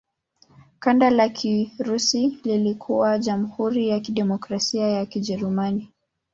Kanda la Kirusi lilikuwa Jamhuri ya Kidemokrasia ya Kijerumani.